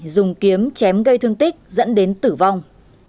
dùng kiếm chém gây thương tích dẫn đến tử vong